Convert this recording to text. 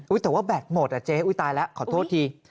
แต่ว่าแบตหมดอ่ะเจ๊อุ๊ยตายแล้วขอโทษที